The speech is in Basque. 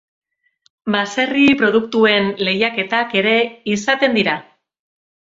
Baserri-produktuen lehiaketak ere izaten dira.